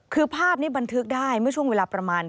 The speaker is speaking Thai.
คือภาพนี้บันทึกได้เมื่อช่วงเวลาประมาณ